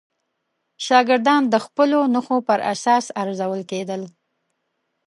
شاګردان د خپلو نښو پر اساس ارزول کېدل.